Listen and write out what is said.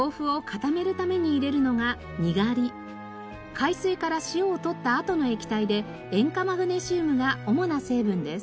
海水から塩をとったあとの液体で塩化マグネシウムが主な成分です。